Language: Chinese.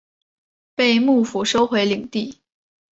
被幕府收回领地。